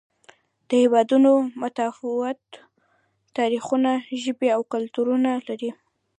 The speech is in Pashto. دا هېوادونه متفاوت تاریخونه، ژبې او کلتورونه لري.